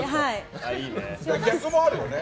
逆もあるよね。